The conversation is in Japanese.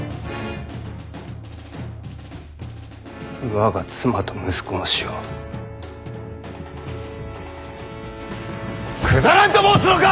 我が妻と息子の死をくだらんと申すのか！